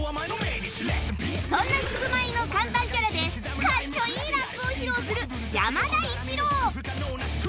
そんな『ヒプマイ』の看板キャラでかっちょいいラップを披露する山田一郎